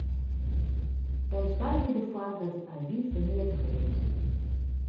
Wy soargje derfoar dat it argyf ferneatige wurdt.